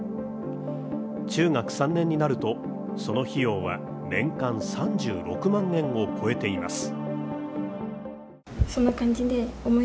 中学３年になると、その費用は年間３６万円を超えています。